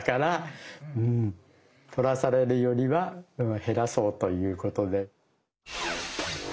取らされるよりは減らそうということで。